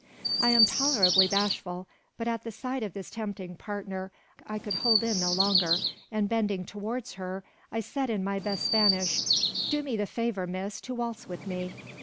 I am tolerably bashful; but at the sight of this tempting partner, I could hold in no longer, and bending towards her, I said in my best Spanish, "Do me the favour, miss, to waltz with me."